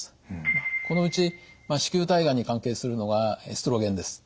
このうち子宮体がんに関係するのがエストロゲンです。